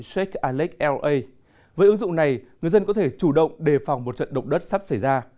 shake a lake la với ứng dụng này người dân có thể chủ động đề phòng một trận động đất sắp xảy ra